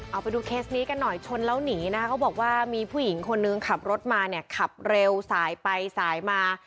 เอาไปดูเคสนี้กันหน่อยชนแล้วหนีนะคะเขาบอกว่ามีผู้หญิงคนนึงขับรถมาเนี่ยขับเร็วสายไปสายมา